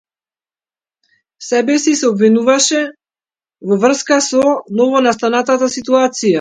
Себеси се обвинуваше во врска со новонастанатата ситуација.